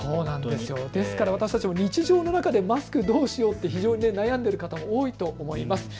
ですから私たちも日常の中でマスクをどうしようと悩んでいる方、多いと思います。